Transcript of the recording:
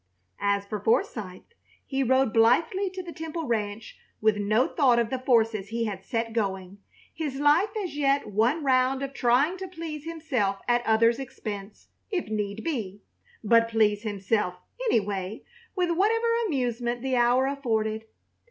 As for Forsythe, he rode blithely to the Temple ranch, with no thought of the forces he had set going, his life as yet one round of trying to please himself at others' expense, if need be, but please himself, anyway, with whatever amusement the hour afforded.